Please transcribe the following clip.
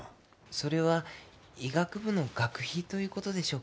それは医学部の学費ということでしょうか？